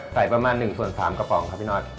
ประมาณ๑ส่วน๓กระป๋องครับพี่นอท